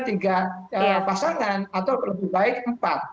tiga pasangan atau lebih baik empat